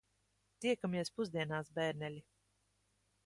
Tiekamies pusdienās, bērneļi.